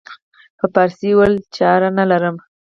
په پارسي یې وویل چاره نه لرم.